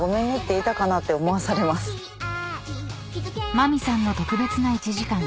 ［ＭＡＭＩさんの特別な１時間］